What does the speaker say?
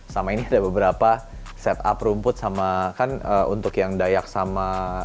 sama ini ada beberapa set up rumput sama kan untuk yang dayak sama